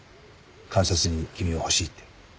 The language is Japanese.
監察に君を欲しいって。